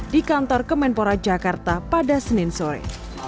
di kantor kemenpora jakarta pada senin sore